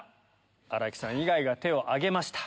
新木さん以外が手を挙げました。